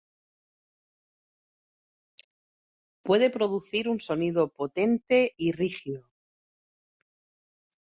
Puede producir un sonido potente y rígido.